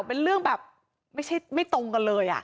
เป็นเรื่องแบบไม่ตรงกันเลย